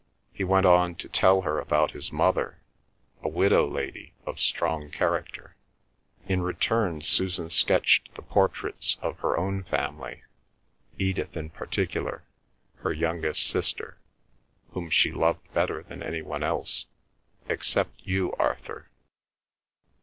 He went on to tell her about his mother, a widow lady, of strong character. In return Susan sketched the portraits of her own family—Edith in particular, her youngest sister, whom she loved better than any one else, "except you, Arthur.